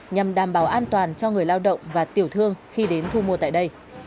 nhằm đảm bảo an toàn cho người lao động và tiểu thương khi đến thu mua tại đây